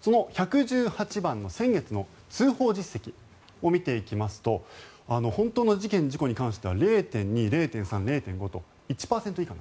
その１１８番の先月の通報実績を見ていきますと本当の事件・事故に関しては０．２、０．３、０．５と１％以下。